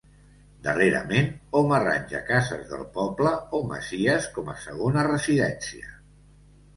Darrerament, hom arranja cases del poble o masies com a segona residència.